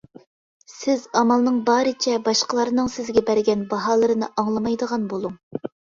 سىز ئامالنىڭ بارىچە باشقىلارنىڭ سىزگە بەرگەن باھالىرىنى ئاڭلىمايدىغان بۇلۇڭ.